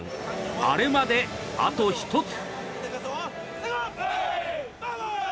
アレまで、あと１つ！